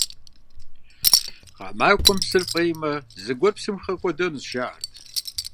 Гъэмахуэм псыр фиймэ, зыгуэр псым хэкӀуэдэнущ, жаӀэрт.